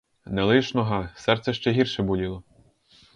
Не лиш нога, серце ще гірше боліло.